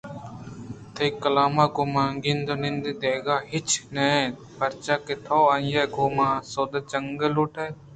تئی کلامءِ گوں ما گندءُنند دگہ ہچی ئے نہ اِنت پرچا کہ تو آئی ءِ گوں ما ءَ سودا جنَگ لو ٹ اِت